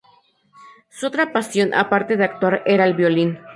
Su otra pasión aparte de actuar era el violín.